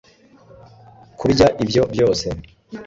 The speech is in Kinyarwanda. kurya ibyo byose